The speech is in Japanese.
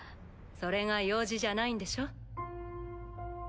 それが用事じゃないんでしょ？